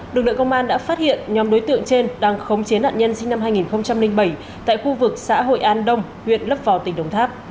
lực lượng công an đã phát hiện nhóm đối tượng trên đang khống chiến nạn nhân sinh năm hai nghìn bảy tại khu vực xã hội an đông huyện lấp vò tỉnh đồng tháp